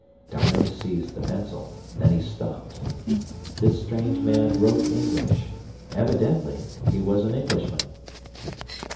D'Arnot seized the pencil—then he stopped. This strange man wrote English—evidently he was an Englishman.